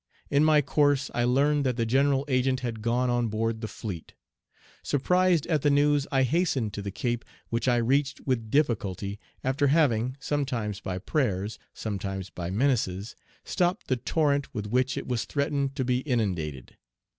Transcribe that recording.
In my course, I learned that the General Agent had gone on board the fleet. Surprised at the news, I hastened to the Cape, which I reached with difficulty, after having, sometimes by prayers, sometimes by menaces, stopped the torrent with which it was threatened to be inundated.